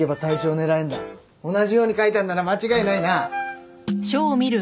同じように書いたんなら間違いないな。